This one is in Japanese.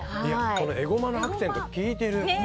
エゴマのアクセントが効いてる。